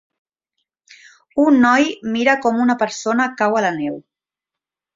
Un noi mira com una persona cau a la neu.